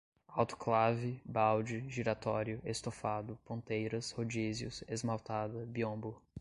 autoclave, balde, giratório, estofado, ponteiras, rodízios, esmaltada, biombo